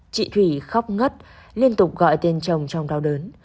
chị thủy khóc ngất liên tục gọi tên chồng trong đau đớn